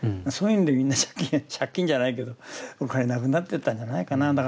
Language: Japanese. そういう意味でみんな借金借金じゃないけどお金なくなってったんじゃないかな。